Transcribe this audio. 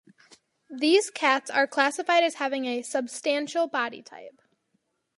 These cats are classified as having a "substantial" body type.